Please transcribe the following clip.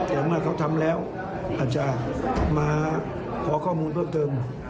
แต่เมื่อเขาทำแล้วอาจจะมาขอข้อมูลเพิ่มเติม